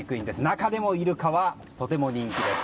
中でもイルカはとても人気です。